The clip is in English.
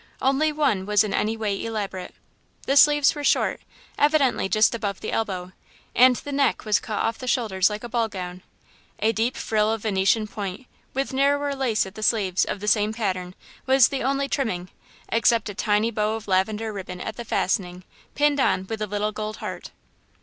Only one was in any way elaborate. The sleeves were short, evidently just above the elbow, and the neck was cut off the shoulders like a ball gown. A deep frill of Venetian point, with narrower lace at the sleeves, of the same pattern, was the only trimming, except a tiny bow of lavender ribbon at the fastening, pinned on with a little gold heart.